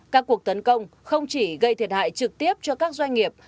các cuộc tấn công không chỉ gây thiệt hại trực tiếp cho các doanh nghiệp